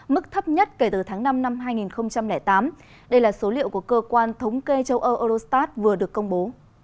mức thấp nhất kể từ tháng năm năm hai nghìn tám đây là số liệu của cơ quan thống kê châu âu eurostat vừa được công bố